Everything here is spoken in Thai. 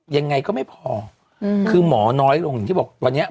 ยังไงก็ไม่พอคือหมอน้อยลงอย่างที่บอกวันนี้